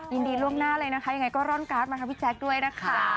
ยินดีล่วงหน้าเลยนะคะยังไงก็ร่อนการ์ดมาค่ะพี่แจ๊คด้วยนะคะ